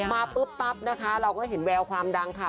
มาปุ๊บปั๊บนะคะเราก็เห็นแววความดังค่ะ